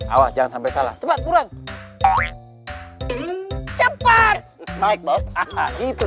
awas jangan sampai salah cepat cepat